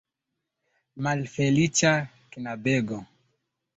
Malfeliĉa knabego!